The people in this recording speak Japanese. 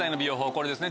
これですね